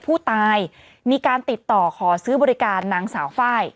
ผู้ตายมีการติดต่อขอซื้อบริการนางสาวไฟล์